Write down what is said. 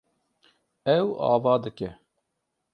Ew ava dike.